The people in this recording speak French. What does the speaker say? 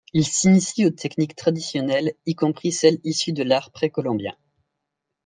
Il s'initie aux techniques traditionnelles, y compris celles issues de l'art précolombien.